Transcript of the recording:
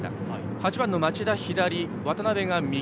８番、町田が左渡邉が右。